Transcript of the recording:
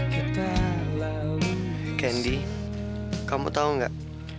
candy kamu tau gak